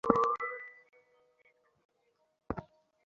রোগীর সর্বাঙ্গ হিমের মতো ঠাণ্ডা হয়ে গেল।